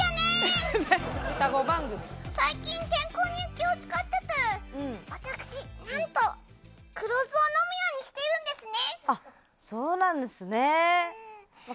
最近健康に気を使ってて私なんと黒酢を飲むようにしてるんですね。